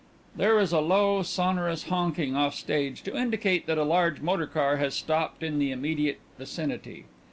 (_There is a low, sonorous honking off stage to indicate that a large motor car has stopped in the immediate vicinity.